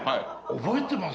覚えてます？